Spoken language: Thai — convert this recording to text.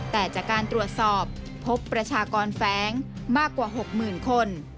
แต่จากการตรวจสอบพบประชากรแฟ้งมากกว่า๖๐๐๐คน